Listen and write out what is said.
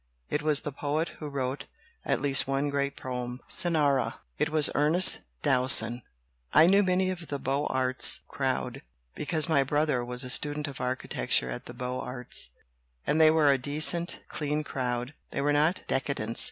It was the poet who wrote at least one great poem 'Cynara' it was Ernest Dowson. "I knew many of the Beaux Arts crowd, be cause my brother was a student of architecture at the Beaux Arts. And they were a decent, clean crowd they were not 'decadents.'